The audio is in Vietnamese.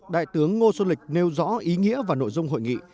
đại tướng ngô xuân lịch nêu rõ ý nghĩa và nội dung hội nghị